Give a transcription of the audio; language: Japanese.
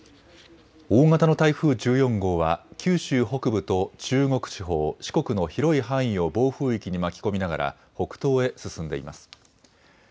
大型の台風１４号は、九州北部と中国地方、四国の広い範囲を暴風域に巻き込みながら、北東へ進んでいます。